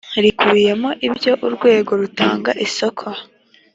rikubiyemo ibyo urwego rutanga isoko